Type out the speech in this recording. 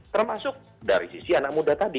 termasuk dari sisi anak muda tadi